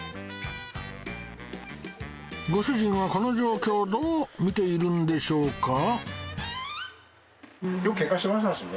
ご主人はこの状況をどう見ているんでしょうか？